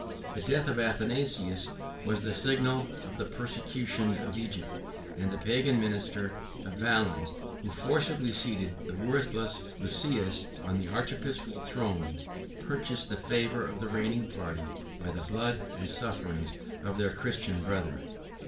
The death of Athanasius was the signal of the persecution of Egypt; and the Pagan minister of Valens, who forcibly seated the worthless Lucius on the archiepiscopal throne, purchased the favor of the reigning party, by the blood and sufferings of their Christian brethren.